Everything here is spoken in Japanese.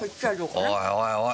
おいおいおい。